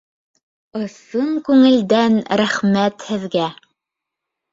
Ысын күңелдән рәхмәт һеҙгә